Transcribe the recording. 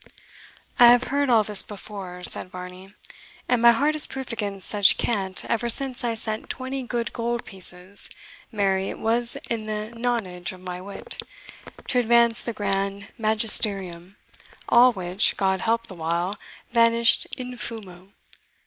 "I have heard all this before," said Varney, "and my heart is proof against such cant ever since I sent twenty good gold pieces (marry, it was in the nonage of my wit) to advance the grand magisterium, all which, God help the while, vanished IN FUMO.